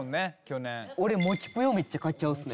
俺もちぷよめっちゃ買っちゃうっすね。